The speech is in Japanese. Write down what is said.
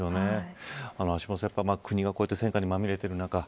橋下さん、国が戦火にまみれている中